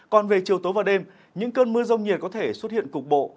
còn về chiều tối và đêm những cơn mưa rông nhiệt có thể xuất hiện cục bộ